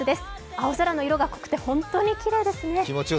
青空の色が濃くて、本当にきれいですね。